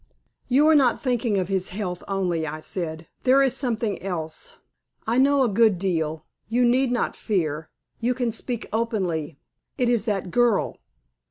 "You are not thinking of his health only," I said; "there is something else. I know a good deal, you need not fear. You can speak openly. It is that girl."